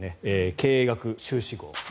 経営学修士号。